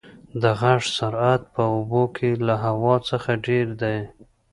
د غږ سرعت په اوبو کې له هوا څخه ډېر دی.